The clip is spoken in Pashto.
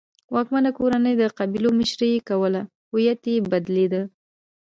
واکمنه کورنۍ چې د قبیلو مشري یې کوله هویت یې بدلېده.